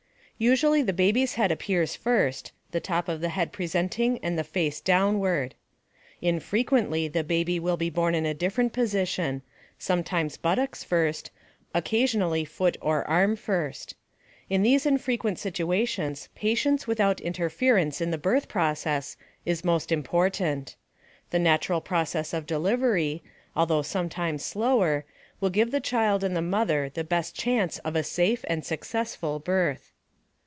_ Usually the baby's head appears first, the top of the head presenting and the face downward. Infrequently the baby will be born in a different position, sometimes buttocks first, occasionally foot or arm first. In these infrequent situations, patience without interference in the birth process is most important. The natural process of delivery, although sometimes slower, will give the child and the mother the best chance of a safe and successful birth.